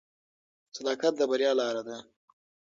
صداقت د بریا لاره ده.